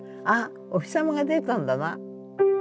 あっおひさまが出たんだな。